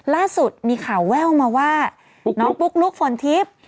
ล่าสุดมีข่าวแววมาว่าน้องปุ๊กลุ๊กฝนทิพย์